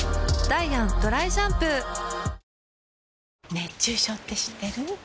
熱中症って知ってる？